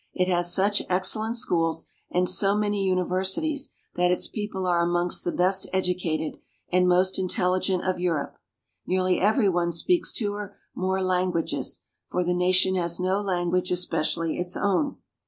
It has such excellent schools, and so many universities, that its people are amongst the best educated, and most intelligent of Europe. Nearly every one speaks two or more lan guages, for the nation has no language especially its own.